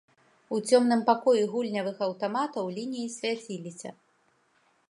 У цёмным пакоі гульнявых аўтаматаў лініі свяціліся.